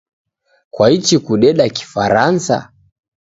Kwaichi kudeda Kifaransa?